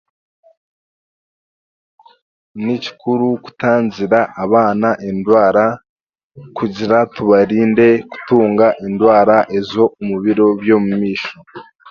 Ni kikuru kutangira abaana endwara kugira tubarinda kutanga endwara ezo omu biro by'omumaisho.